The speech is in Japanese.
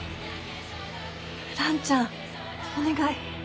蘭ちゃんお願い。